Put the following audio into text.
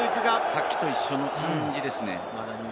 さっきと一緒の感じですね。